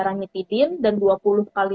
rangitidin dan dua puluh kali